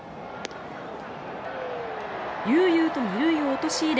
悠々と２塁を陥れ